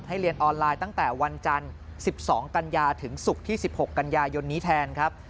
เรียนออนไลน์ตั้งแต่วันจันทร์๑๒กันยาถึงศุกร์ที่๑๖กันยายนนี้แทนครับ